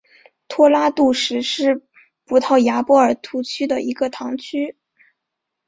托拉杜什是葡萄牙波尔图区的一个堂区。